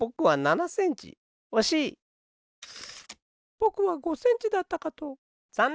ぼくは５センチだったかと。